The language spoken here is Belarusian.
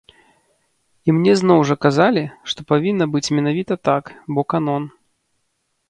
І мне зноў жа казалі, што павінна быць менавіта так, бо канон.